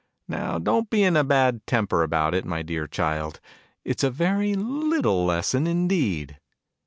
Now don't be in a bad temper about it, my dear Child ! It's a very little lesson indeed